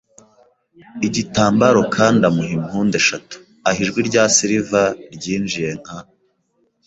igitambaro kandi amuha impundu eshatu, aho ijwi rya Silver ryinjiye nka